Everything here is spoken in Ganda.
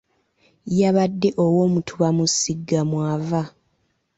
Y'abadde Owoomutuba mu Ssiga mw'ava.